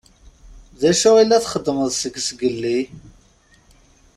D acu i la txeddmeḍ seg zgelli?